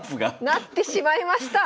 成ってしまいました。